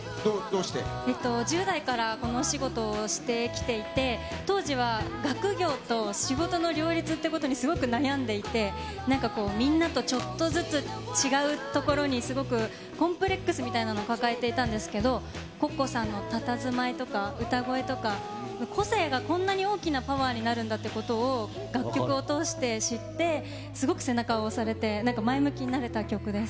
１０代からこのお仕事をしてきていて、当時は学業と仕事の両立ってことにすごく悩んでいて、みんなとちょっとずつ違うところにすごくコンプレックスみたいなものを抱えていたんですけど、Ｃｏｃｃｏさんのたたずまいとか、歌声とか、個性がこんなに大きなパワーになるんだってことを楽曲を通して知って、すごく背中を押されて、前向きになれた曲です。